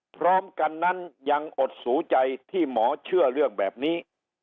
พร้อมกันนั้นยังอดสูใจที่หมอเชื่อเรื่องแบบนี้